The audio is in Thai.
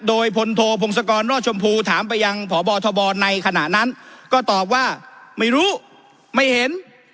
โดยพลโทพงศกรรอดชมพูถามไปยังพบทบในขณะนั้นก็ตอบว่าไม่รู้ไม่เห็น